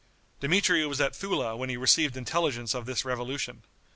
Dmitri was at Thula when he received intelligence of this revolution.